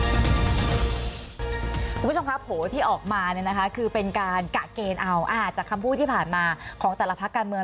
คุณผู้ชมครับโผล่ที่ออกมาเนี่ยนะคะคือเป็นการกะเกณฑ์เอาจากคำพูดที่ผ่านมาของแต่ละพักการเมือง